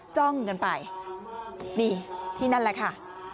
จ้องกันไปนี่ที่นั่นแหละค่ะ